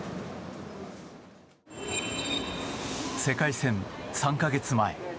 世界戦３か月前。